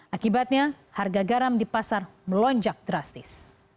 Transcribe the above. akibatnya harga garam di pasar melonjak drastis